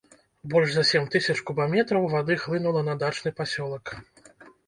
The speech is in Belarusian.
Больш за сем тысяч кубаметраў вады хлынула на дачны пасёлак.